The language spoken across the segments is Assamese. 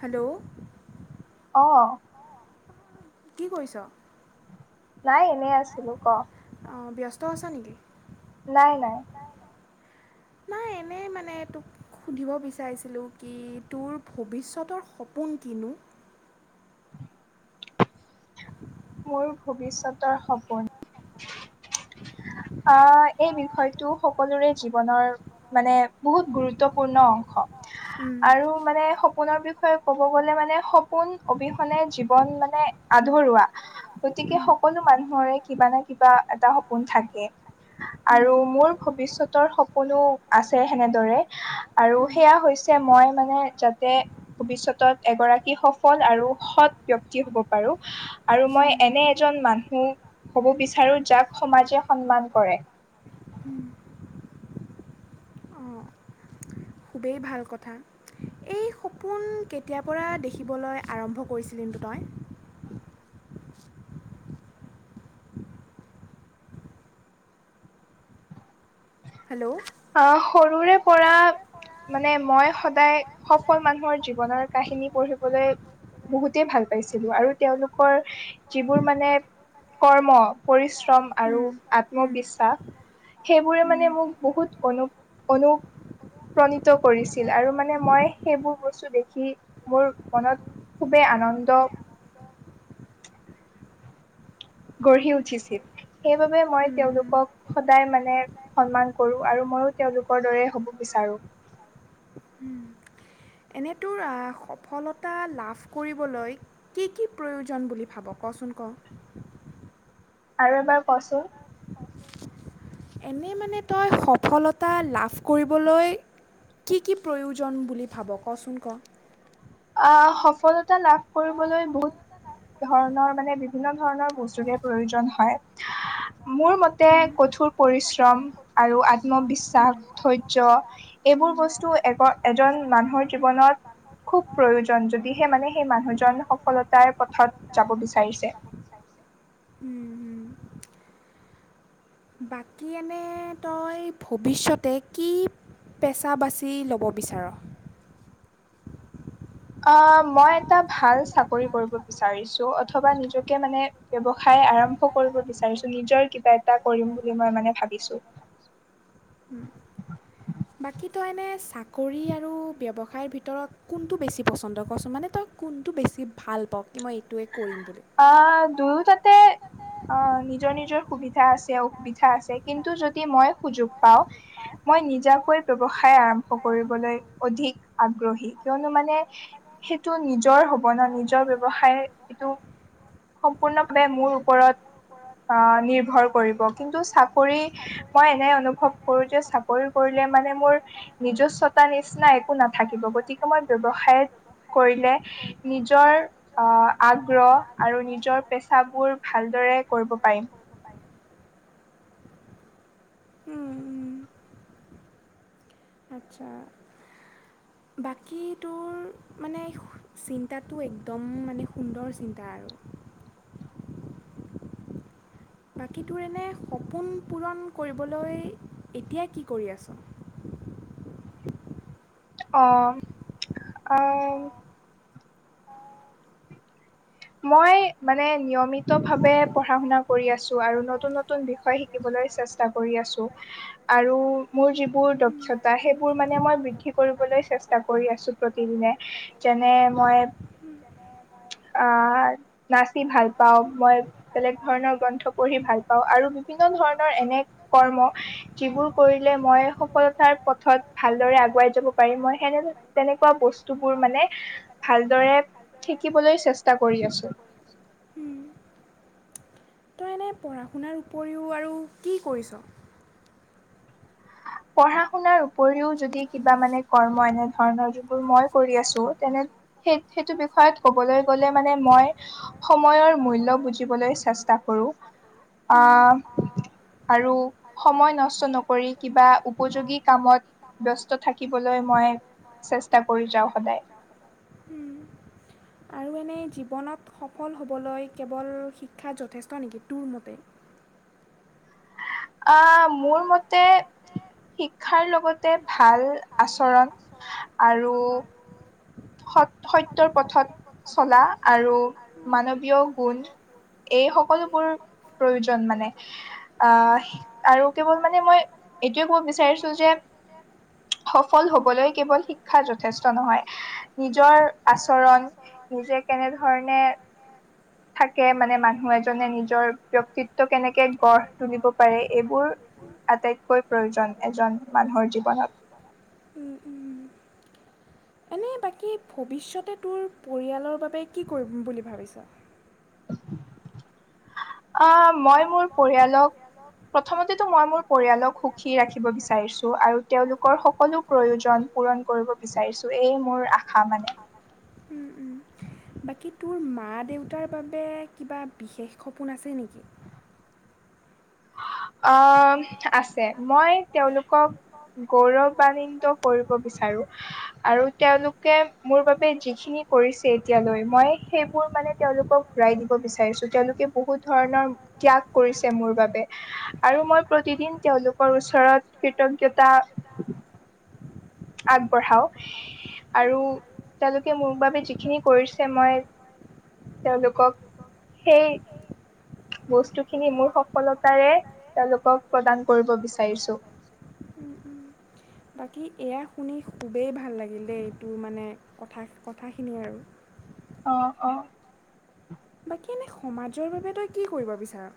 হেল্ল', অ' কি কৰিছ? নাই এনে আছিলো ক। ব্যয়স্ত আছ নেকি? নাই -নাই নাই এনেই মানে তোক সুধিব বিচাৰিছিলোঁ কি তোৰ ভৱিষ্যতৰ সপোন কিনো। মোৰ ভৱিষ্যতৰ সপোন। আহ এই বিষয়টো সকলোৰে জীৱনৰ মানে বহুত গুৰুত্বপূৰ্ণ অংশ। আৰু মানে। সপোনৰ বিষয়ে ক'ব গ'লে মানে সপোন অবিহনে জীৱন মানে আধৰুৱা গতিকে সকলো মানুহৰে কিবা না কিবা এটা সপোন থাকে। আৰু মোৰ ভৱিষ্যতৰ সপোনো আছে সেনেদৰে আৰু সেয়া হৈছে মই মানে যাতে ভৱিষ্যতত এগৰাকী সফল আৰু সৎ ব্যক্তি হব পাৰো আৰু মই এনে এজন মানুহ হব বিচাৰো যাক সমাজে সন্মান কৰে। খুবেই ভাল কথা এই সপোন কেতিয়াৰ পৰা দেখিবলৈ আৰম্ভ কৰিছিলি নু তই। হেল্ল'। সৰুৰে পৰা মানে মই সদায় সফল মানুহৰ জীৱনৰ কাহিনী পঢ়িবলৈ বহুতেই ভাল পাইছিলো আৰু তেওঁলোকৰ যিবোৰ মানে কৰ্ম, পৰিশ্ৰম আৰু আত্মবিশ্বাস সেই। বোৰে মানে মোক বহুত অনুপ্ৰাণিত কৰিছিল আৰু মানে মই সেইবোৰ বস্তু দেখি মোৰ মনত খুবেই আনন্দ। গঢ়ি উঠিছিল সেইবাবে মই তেওঁলোকক সদায় মানে সন্মান কৰোঁ আৰু ময়ো তেওঁলোকৰ দৰে হ'ব বিচাৰো। এনেটোৰ সফলতা লাভ কৰিবলৈ কি কি প্ৰয়োজন বুলি ভাব কচোন ক। আৰু এবাৰ কচোন। এনে মানে তই সফলতা লাভ কৰিবলৈ কি কি প্ৰয়োজন বুলি ভাব কচোন ক। সফলতা লাভ কৰিবলৈ বহুত ধৰণৰ মানে বিভিন্ন ধৰণৰ বস্তুৰে প্ৰয়োজন হয় মোৰ মতে কঠোৰ পৰিশ্ৰম আৰু আত্মবিশ্বাস ধৈৰ্য এইবোৰ বস্তু এগ এজন মানুহৰ জীৱনত খুব প্ৰয়োজন যদিহে মানে সেই মানুহজন সফলতাৰ পথত যাব বিচাৰিছে। বাকী এনে তই ভৱিষ্যতে কি পেচা বাচি ল'ব বিচাৰ আহ মই এটা ভাল চাকৰি কৰিব বিচাৰিছো অথবা নিজকে মানে ব্যৱসায় আৰম্ভ কৰিব বিচাৰিছো নিজৰ কিবা এটা কৰিম বুলি মই মানে ভাবিছো। বাকীতো এনেই চাক। কৰি আৰু ব্যৱসায়। ঠাইৰ ভিতৰত কোনটো বেছি পচন্দ কৰচোন মানে তই কোনটো বেছি ভাল পাৱ কি মই এইটোৱে। অ', দুয়টা তে অহ নিজৰ-নিজৰ সুবিধা আছে অসুবিধা আছে, কিন্তু যদি মই সুযোগ পাওঁ, মই নিজাকৈ ব্যয়ৱসায় আৰম্ভ কৰিবলৈ অধিক আগ্ৰহী। কিয়নো মানে সেইটো নিজৰ হব ন! নিজৰ ব্যয়ৱসায় এইটো সম্পূৰ্ণভাৱে মোৰ ওপৰত আহ নিৰ্ভৰ কৰিব। কিন্তু চাকৰি মই এনে অনুভৱ কৰো যে চাকৰি কৰিলে মানে মোৰ নিজস্বতা নিচিনা একো নাথাকিব, গতিকে মই ব্যৱসায়ত কৰিলে নিজৰ আগ্ৰহ আৰু নিজৰ পেচাবোৰ ভালদৰে কৰিব পাৰিম। আচ্ছা বাকী তোৰ মানে চিন্তাটো একদম মানে সুন্দৰ চিন্তা আৰু। বাকীটোৰ এনে সপোন পূৰণ কৰিবলৈ এতিয়া কি কৰি আছো? অহ, আহ মই মানে নিয়মিত ভাৱে পঢ়া-শুনা কৰি আছো আৰু নতুন-নতুন বিষয় শিকিবলৈ চেষ্টা কৰি আছো আৰু মোৰ যিবোৰ দক্ষতা সেইবোৰ মানে মই বৃদ্ধি কৰিবলৈ চেষ্টা কৰি আছো প্ৰতিদিনে যেনে মই নাচি ভাল পাওঁ, মই বেলেগ ধৰণৰ গ্ৰন্থ পঢ়ি ভাল পাওঁ আৰু বিভিন্ন ধৰণৰ এনে কৰ্ম যিবোৰ কৰিলে মই সফলতাৰ পথত ভালদৰে আগুৱাই যাব পাৰিম মই সেনে তেনেকুৱা বস্তুবোৰ মানে ভালদৰে শিকিবলৈ চেষ্টা কৰি আছো। এনে পঢ়া শুনাৰ উপৰিও আৰু কি কৰিছ? পঢ়া শুনাৰ উপৰিও যদি কিবা মানে কৰ্ম এনেধৰণৰ যিবোৰ মই কৰি আছো তেনে সেই সেইটো বিষয়ত কবলৈ গলে মানে মই সময়ৰ মূল্য বুজিবলৈ চেষ্টা কৰো, আহ আৰু সময় নষ্ট নকৰি কিবা উপযোগী কামত ব্যস্ত থাকিবলৈ মই চেষ্টা কৰি যাওঁ সদায়। আৰু এনেই জীৱনত সফল হ'বলৈ কেৱল শিক্ষাত যথেষ্ট নেকি? তোৰ মতেই। আহ মোৰ মতে শিক্ষাৰ লগতে ভাল আচৰণ আৰু স-সত্যৰ পথত চলা আৰু মানৱীয় গুণ এই সকলোবোৰ প্ৰয়োজন মানে। আহ আৰু কেৱল মানে মই এইটয়ে কব বিচাৰিছো যে সফল হবলৈ কেৱল শিক্ষা যথেষ্ট নহয়। নিজৰ আচৰণ নিজে কেনেধৰণে থাকে মানে মানুহ এজনে নিজৰ বয়ক্তিত্ব কেনেকে গঢ় তুলিব পাৰে এইবোৰ আটাইতকৈ প্ৰয়োজন এজন মানুহৰ জীৱনত। মানে বাকী ভৱিষ্যতে তোৰ পৰিয়ালৰ বাবে কি কৰিম বুলি ভাবিছ? আহ মই মোৰ পৰিয়ালক প্ৰথমতেতো মই মোৰ পৰিয়ালক সুখী ৰাখিব বিচাৰিছো আৰু তেওঁলোকৰ সকলো প্ৰয়োজন পূৰণ কৰিব বিচাৰিছো এইে মোৰ আশা মানে। কি তোৰ মা দেউতাৰ বাবে কিবা বিশেষ সপোন আছে নেকি? আহ আছে মই তেওঁলোকক গৌৰৱানিত কৰিব বিচাৰো আৰু তেওঁলোকে মোৰ বাবে যিখিনি কৰিছে এতিয়ালৈ মই সেইবোৰ মানে তেওঁলোকক ঘূৰাই দিব বিচাৰিছো। তেওঁলোকে বহুত ধৰণৰ ত্যাগ কৰিছে মোৰ বাবে। আৰু মই প্ৰতিদিন তেওঁলোকৰ ওচৰত কৃতজ্ঞতা আগবঢ়াও আৰু তেওঁলোকে মোৰ বাবে যিখিনি কৰিছে মই তেওঁলোকক সেই বস্তুখিনি মোৰ সফলতাৰে তেওঁলোকক প্ৰদান কৰিব বিচাৰিছোঁ। বাকী এয়া শুনি খুবেই ভাল লাগিল দেই এইটোৰ মানে কথা কথাখিনিয়ে আৰু। অ'-অ'। বাকী এনে সমাজৰ বাবে তই কি কৰিব বিচাৰ?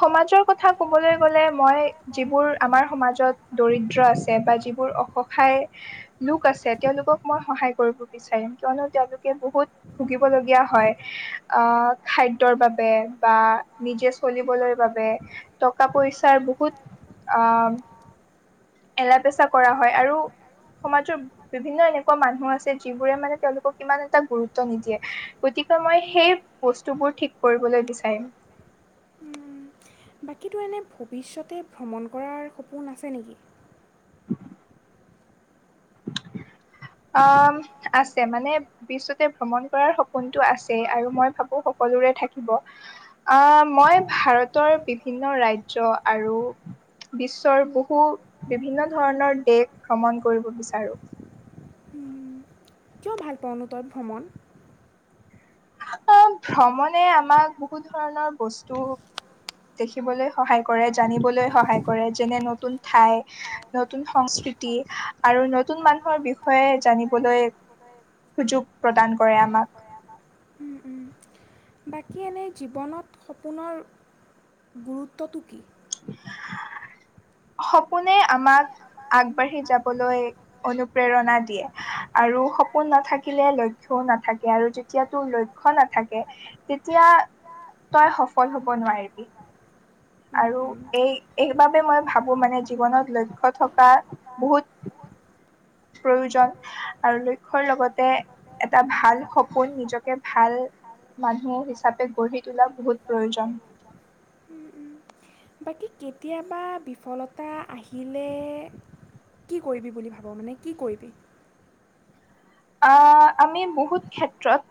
সমাজৰ কথা কবলৈ গলে মই যিবোৰ আমাৰ সমাজত দৰিদ্ৰ আছে বা যিবোৰ অসহায় লোক আছে তেওঁলোকক মই সহায় কৰিব বিচাৰিম। কিয়নো তেওঁলোকে বহুত ভুগিব লগগীয়া হয় আহ খাদ্যৰ বাবে বা নিজে চলিবলৈ বাবে টকা পইচাৰ বহুত আহ এল পেচা কৰা হয় আৰু সমাজৰ বিভিন্ন এনেকুৱা মানুহ আছে যিবোৰে মানে তেওঁলোকক ইমান এটা গুৰুত্ব নিদিয়ে গতিকে মই সেই বস্তুবোৰ ঠিক কৰিবলৈ বিচাৰিম। বাকীতো এনে ভৱিষ্যতে ভ্ৰমণ কৰাৰ সপোন আছে নেকি? আহ আছে মানে বিশ্বতে ভ্ৰমণ কৰাৰ সপোনটো আছে আৰু মই ভাবো সকলোৰে থাকিব আহ মই ভাৰতৰ বিভিন্ন ৰাজ্য আৰু বিশ্বৰ বহু বিভিন্ন ধৰণৰ দেশ ভ্ৰমণ কৰিব বিচাৰো। কিয় ভাল পাওঁনো তই ভ্ৰমণ? ভ্ৰমণে আমাক বহুত ধৰণৰ বস্তু দেখিবলৈ সহায় কৰে, জানিবলৈ সহায় কৰে, যেনে নতুন ঠাই নতুন সংস্কৃতি আৰু নতুন মানুহৰ বিষয়ে জানিবলৈ সুযোগ প্ৰদান কৰে আমাক। এনেই জীৱনত সপোনৰ গুৰুত্বটো কি? সপোনে আমাক আগবাঢ়ি যাবলৈ অনুপ্ৰেৰণা দিয়ে আৰু সপোন নাথাকিলে লক্ষ্যও নাথাকে আৰু যেতিয়া তোৰ লক্ষ্য নাথাকে তেতিয়া তই সফল হব নোৱাৰিবি। আৰু এই এইবাবে মই ভাবো মানে জীৱনত লক্ষ্য থকা বহুত প্ৰয়োজন আৰু লক্ষ্যয়ৰ লগতে এটা ভাল সপোন নিজকে ভাল মানুহ হিচাপে গঢ়ি তোলা বহুত প্ৰয়োজন। বাকী কেতিয়াবা বিফলতা আহিলে কি কৰিবি বুলি ভাবো? মানে কি কৰিবি? আহ আমি বহুত ক্ষেত্ৰত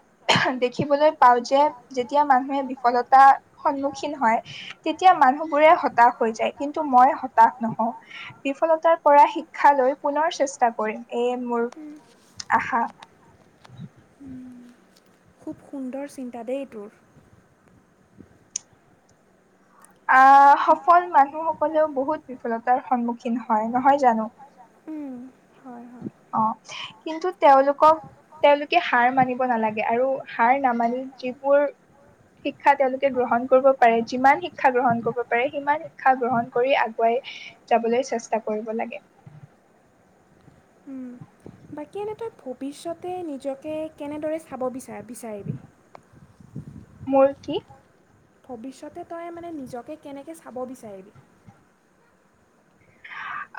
দেখিবলৈ পাওঁ যে, যেতিয়া মানুহে বিফলতাৰ সন্মুখীন হয় তেতিয়া মানুহবোৰে হতাশ হৈ যায়। কিন্তু মই হতাশ নহওঁ বিফলতাৰ পৰা শিক্ষা লৈ পুনৰ চেষ্টা কৰিম এই মোৰ আহা। সুন্দৰ চিন্তা দেই তোৰ। আহ সফল মানুহসকলেও বহুত বিফলতাৰ সন্মুখীন হয়। নহয় জানো? আহ কিন্তু তেওঁলোকক তেওঁলোকে হাৰ মানিব নালাগে আৰু হাৰ নামানি যিবোৰ শিক্ষা তেওঁলোকে গ্ৰহণ কৰিব পাৰে, যিমান শিক্ষা গ্ৰহণ কৰিব পাৰে, সিমান শিক্ষা গ্ৰহণ কৰি আগুৱাই যাবলৈ চেষ্টা কৰিব লাগে। বাকী এনে তই ভৱিষ্যতে নিজকে কেনেদৰে চাব বিচাৰ বিচাৰিবি? মোৰ কি? ভৱিষ্যতে তই মানে নিজকে কেনেকৈ চাব বিচাৰিবি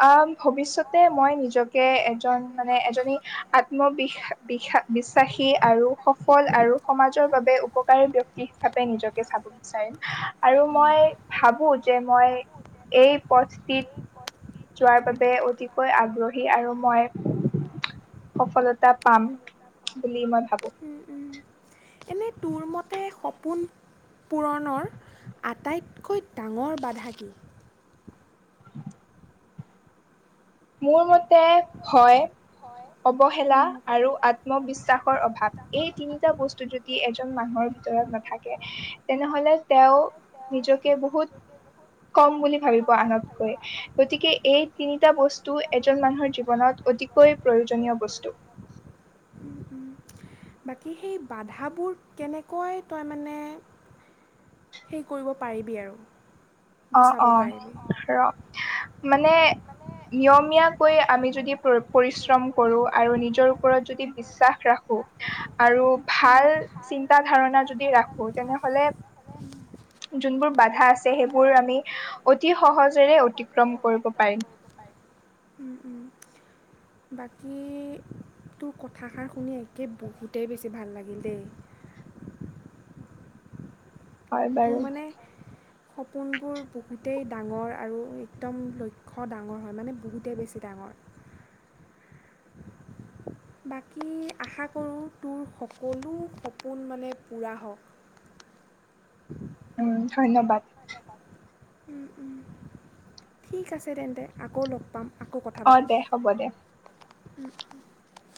আহ ভৱিষ্যতে মই নিজকে এজন মানে এজনী আত্মবি বিশ্বাসী আৰু সফল আৰু সমাজৰ বাবে উপকাৰী ব্যক্তি হিচাপে নিজকে চাব বিচাৰিম আৰু মই ভাবো যে মই এই পথটিত যোৱাৰ বাবে অতিকৈ আগ্ৰহী আৰু মই সফলতা পাম বুলি মই ভাবো সপোন পূৰণৰ আটাইতকৈ ডাঙৰ বাধা কি মোৰ মতে ভয় অৱহেলা আৰু আত্মবিশ্বাসৰ অভাৱ এই তিনিটা বস্তু যদি এজন মানুহৰ ভিতৰত নাথাকে তেনেহলে তেওঁ নিজকে বহুত কম বুলি ভাবিব আনতকৈ গতিকে এই তিনিটা বস্তু টো এজন মানুহৰ জীৱনত অতিকৈ প্ৰয়োজনীয় বস্তু বাকী সেই বাধাবোৰ কেনেকৈ তই মানে হেৰি কৰিব পাৰিবি আৰু অ অ ৰ মানে নিয়মীয়াকৈ আমি যদি পৰিশ্ৰম কৰোঁ আৰু নিজৰ ওপৰত যদি বিশ্বাস ৰাখোঁ আৰু ভাল চিন্তাাধাৰণা যদি ৰাখোঁ তেনেহ'লে যোনবোৰ বাধা আছে সেইবোৰ আমি অতি সহজেৰে অতিক্ৰম কৰিব পাৰিম বাকী তোৰ কথাষাৰ শুনি একে বহুতেই বেছি ভাল লাগিল দেই তোৰ মানে সপোনবোৰ বহুতেই ডাঙৰ আৰু একদম লক্ষ্য ডাঙৰ হয় মানে বহুতেই বেছি ডাঙৰ বাকী আশা কৰোঁ তোৰ সকলো সপোন মানে পূৰা হওক উম ধন্যবাদ ঠিক আছে তেন্তে আকৌ লগ পাম অ দে হ'ব দে উম উম